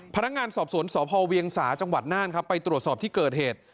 พนักงานสอบสวนสพเวียงสาจังหวัดน่านครับไปตรวจสอบที่เกิดเหตุ